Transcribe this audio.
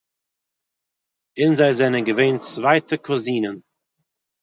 און זיי זענען געווען צווייטע קוזינען